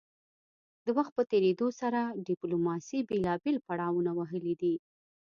د وخت په تیریدو سره ډیپلوماسي بیلابیل پړاونه وهلي دي